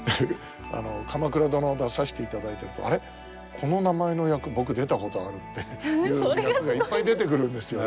「鎌倉殿」出させていただいてると「あれ？この名前の役僕出たことある」っていう役がいっぱい出てくるんですよ。